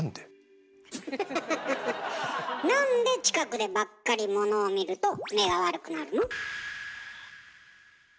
なんで近くでばっかりモノを見ると目が悪くなるの？